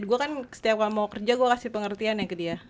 gue kan setiap mau kerja gue kasih pengertiannya ke dia